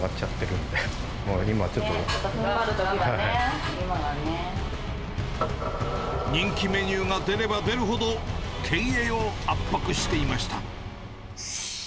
ふんばるときだね、今はね。人気メニューが出れば出るほど、経営を圧迫していました。